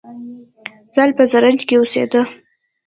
زال په زرنج کې اوسیده